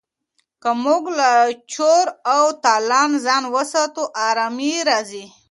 که موږ له چور او تالان ځان وساتو ارامي راځي.